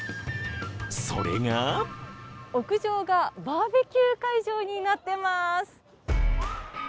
それが屋上がバーベキュー会場になってぃます。